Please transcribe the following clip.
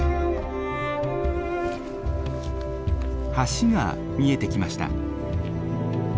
橋が見えてきました。